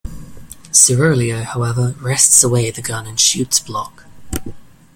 Siroleo, however, wrests away the gun and shoots Block.